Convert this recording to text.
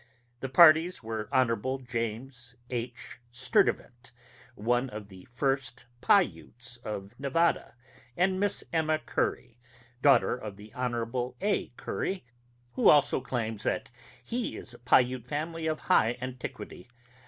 The parties were Hon. James H. Sturtevant, one of the first Pi Utes of Nevada, and Miss Emma Curry, daughter of the Hon. A. Curry, who also claims that his is a Pi Ute family of high antiquity....